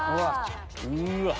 うわっ！